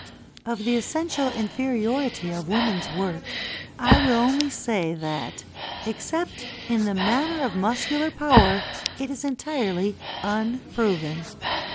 Of the essential inferiority of women's work, I will only say that, except in the matter of muscular power, it is entirely unproven.